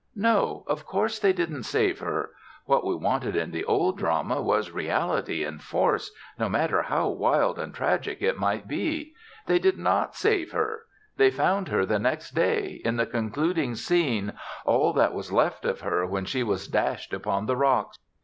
No, of course they didn't save her. What we wanted in the Old Drama was reality and force, no matter how wild and tragic it might be. They did not save her. They found her the next day, in the concluding scene all that was left of her when she was dashed upon the rocks.